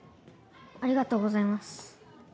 ありがとうございます。